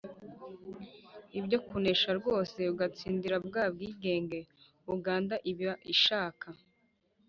ibi byo kunesha rwose: ugatsindira bwa bwigenge uganda iba ishaka.